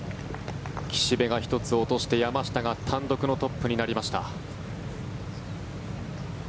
岸部が１つ落として山下が単独のトップになりました。